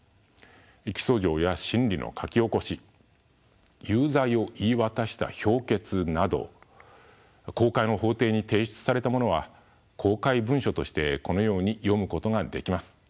起訴状や審理の書き起こし有罪を言い渡した評決など公開の法廷に提出されたものは公開文書としてこのように読むことができます。